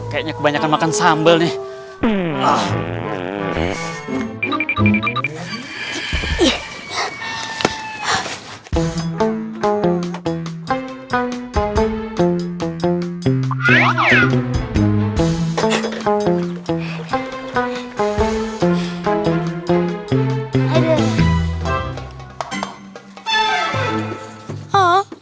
kayaknya kebanyakan makan sambal nih